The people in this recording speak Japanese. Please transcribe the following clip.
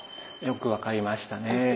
よく分かりましたね。